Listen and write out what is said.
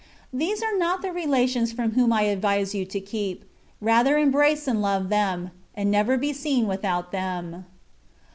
These are not the relations from whom I advise you to keep ; rather embrace and love them, and never be seen without them.